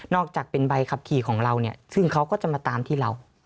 อกจากเป็นใบขับขี่ของเราเนี่ยซึ่งเขาก็จะมาตามที่เรา